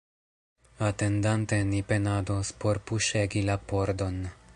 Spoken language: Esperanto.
Atendante, ni penados por puŝegi la pordon.